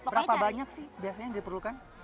berapa banyak sih biasanya yang diperlukan